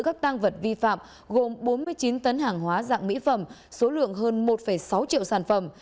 các tăng vật vi phạm gồm bốn mươi chín tấn hàng hóa dạng mỹ phẩm số lượng hơn một sáu triệu sản phẩm